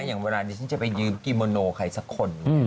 อย่างเวลานี้ฉันจะไปยืมกิโมโนใครสักคน